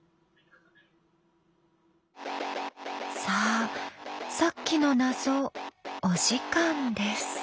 さあさっきの謎お時間です。